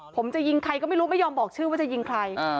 ผมจะยิงใครก็ไม่รู้ไม่ยอมบอกชื่อว่าจะยิงใคร